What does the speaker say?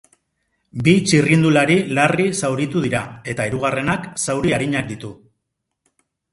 Bi txirrindulari larri zauritu dira eta hirugarrenak zauri arinak ditu.